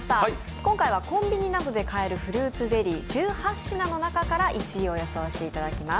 今回はコンビニなどで買えるフルーツゼリー１８品の中から１位を予想していただきます。